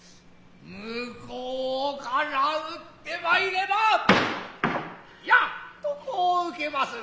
向うから打って参ればやっと斯う受けまする。